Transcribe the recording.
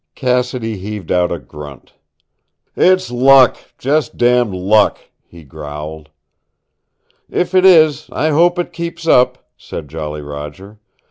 Cassidy heaved out a grunt. "It's luck just damned luck!" he growled. "If it is, I hope it keeps up," said Jolly Roger.